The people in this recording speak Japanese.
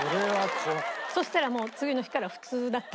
そしたらもう次の日から普通だった。